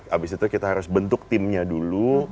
abis itu kita harus bentuk timnya dulu